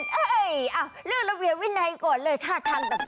เฮ้ยเลือกระเบียวินัยก่อนเลยท่าทางต่าง